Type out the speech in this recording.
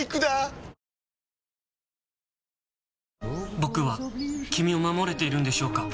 僕は君を守れているんでしょうか？